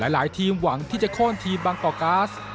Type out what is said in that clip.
หลายทีมหวังที่จะโค้นทีมบางกอกก๊าซ